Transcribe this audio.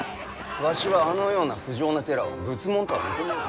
わしはあのような不浄な寺を仏門とは認めぬ。